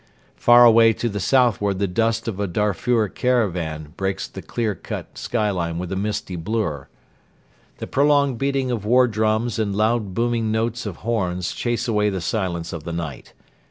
Far away to the southward the dust of a Darfur caravan breaks the clear cut skyline with a misty blur. The prolonged beating of war drums and loud booming notes of horns chase away the silence of the night.